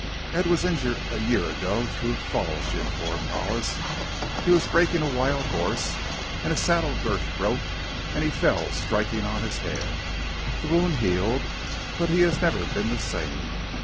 "Ed was injured a year ago through a fall," she informed Hollis. "He was breaking a wild horse and a saddle girth broke and he fell, striking on his head. The wound healed, but he has never been the same.